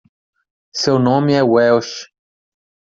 Seu nome é Welch.